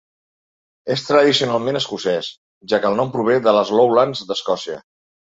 És tradicionalment escocès, ja que el nom prové de les Lowlands d'Escòcia.